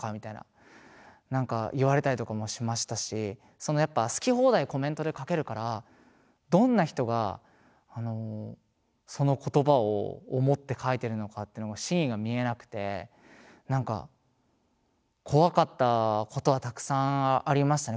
そのやっぱ好き放題コメントで書けるからどんな人があのその言葉を思って書いてるのかっていうのが真意が見えなくて何か怖かったことはたくさんありましたね